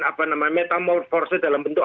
apa namanya metamorforces dalam bentuk